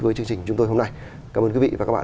với chương trình chúng tôi hôm nay cảm ơn quý vị và các bạn